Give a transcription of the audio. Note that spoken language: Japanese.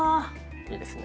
いいですね。